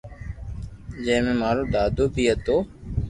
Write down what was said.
جي مي مارو دادو بي ھتو